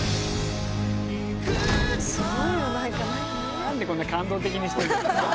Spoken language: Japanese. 何でこんな感動的にしてんだよ。